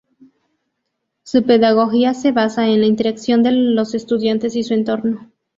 Su pedagogía se basa en la interacción de los estudiantes y su entorno.